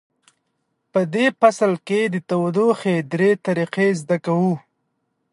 په دې فصل کې د تودوخې درې طریقې زده کوو.